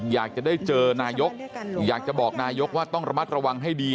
อยากจะได้เจอนายกอยากจะบอกนายกว่าต้องระมัดระวังให้ดี